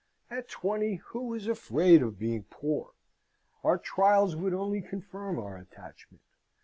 At twenty, who is afraid of being poor? Our trials would only confirm our attachment.